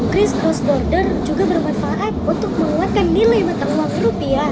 kris post border juga bermanfaat untuk menguatkan nilai mater uang rupiah